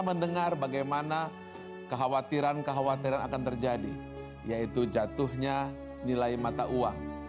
mendengar bagaimana kekhawatiran kekhawatiran akan terjadi yaitu jatuhnya nilai mata uang